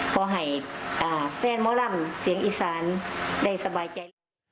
เพราะให้แฟนเม้าร่ำเสียงอีสานได้สบายใจ